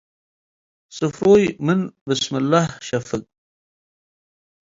ስፍሩይ ምን “ብስምለህ” ሸፍግ።